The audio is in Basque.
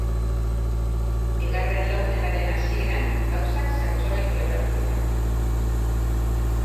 Bigarren laurdenaren hasieran, gauzak zertxobait orekatu dira.